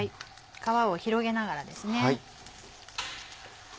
皮を広げながらですね。